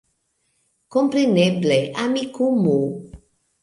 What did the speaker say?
Kompreneble, Amikumu